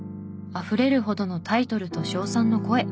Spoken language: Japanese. あふれるほどのタイトルと称賛の声。